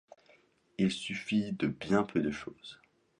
Il suffit de bien peu de chose